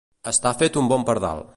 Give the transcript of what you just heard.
Estar fet un bon pardal.